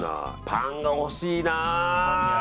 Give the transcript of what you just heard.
パンが欲しいな。